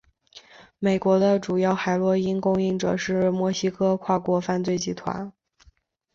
美国的主要海洛因供应者是墨西哥跨国犯罪集团。